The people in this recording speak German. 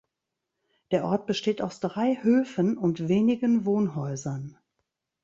Der Ort besteht aus drei Höfen und wenigen Wohnhäusern.